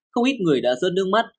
không ít người đã rớt nước mắt